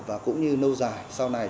và cũng như nâu dài sau này